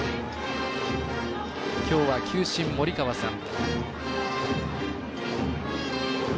きょうは球審、森川さん。